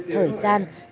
thời gian thời gian